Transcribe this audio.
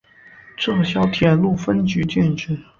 撤销铁路分局建制。